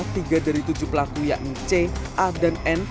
tiga dari tujuh pelaku yakni c a dan n